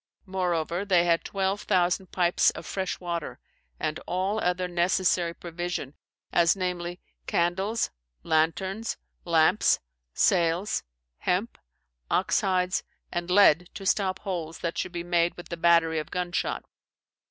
"Moreover they had 12,000 pipes of fresh water, and all other necessary provision, as, namely, candles, lanternes, lampes, sailes, hempe, oxe hides, and lead to stop holes that should be made with the battery of gun shot.